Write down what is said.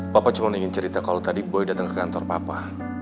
papa cuma ingin cerita kalau tadi boy datang ke kantor papa